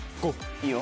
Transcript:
いいよ。